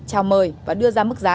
trào mời và đưa ra mức giá